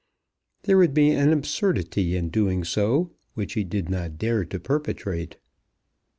There would be an absurdity in doing so which he did not dare to perpetrate.